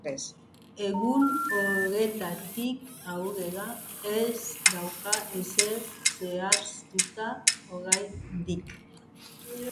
Egun horretatik aurrera, ez dauka ezer zehaztuta oraindik.